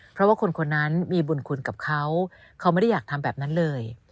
เพราะว่าคนคนนั้นมีบุญคุณกับเขาเขาไม่ได้อยากทำแบบนั้นเลย